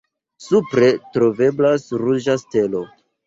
Supre troveblas ruĝa stelo.